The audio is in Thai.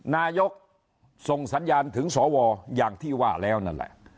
นายกส่งสัญญาณถึงสวอย่างที่ว่าแล้วนั่นแหละ